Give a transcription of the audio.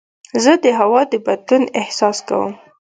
زه د هوا د بدلون احساس کوم.